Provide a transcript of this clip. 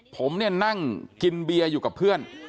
ผมเนี่ยนั่งกินเบียร์อยู่กับเพื่อน